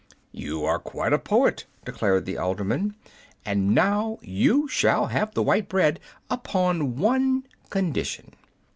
"You are quite a poet," declared the alderman; "and now you shall have the white bread upon one condition."